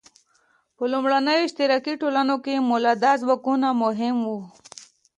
په لومړنیو اشتراکي ټولنو کې مؤلده ځواکونه مهم وو.